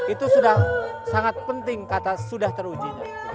itu sudah sangat penting kata sudah teruji